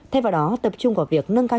thay vào đó tập trung vào việc nâng cao